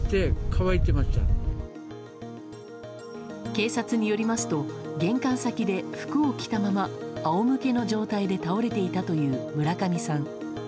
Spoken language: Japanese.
警察によりますと玄関先で服を着たままあおむけの状態で倒れていたという村上さん。